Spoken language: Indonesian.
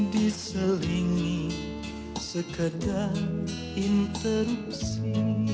diselingi sekedar interupsi